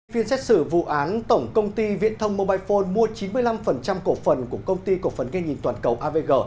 phiên xét xử vụ án tổng công ty viện thông mobile phone mua chín mươi năm cổ phần của công ty cổ phần gây nhìn toàn cầu avg